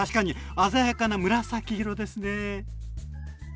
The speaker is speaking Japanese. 鮮やかな紫色ですね。